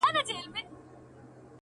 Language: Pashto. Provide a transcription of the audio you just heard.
په لیدلو یو د بل نه مړېدلو -